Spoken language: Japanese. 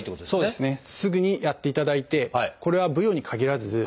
そうですか！